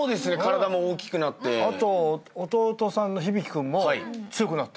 あと弟さんの響君も強くなってる。